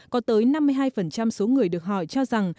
có tới năm mươi hai số người được hỏi cho rằng